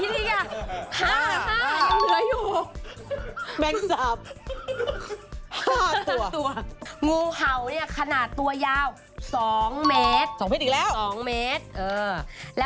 งูเผาขนาดตัวยาว๒เมตร